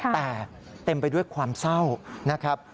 แต่เต็มไปด้วยความเศร้านะครับ